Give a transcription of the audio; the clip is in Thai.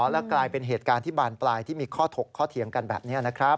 และกลายเป็นเหตุการณ์ที่บานปลายที่มีข้อถกข้อเถียงกันแบบนี้นะครับ